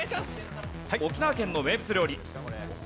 沖縄県の名物料理。